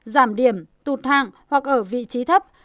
giảm điểm tụt hạng hoặc ở vị trí thấp